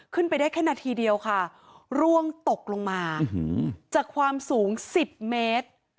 ไปได้แค่นาทีเดียวค่ะร่วงตกลงมาจากความสูง๑๐เมตร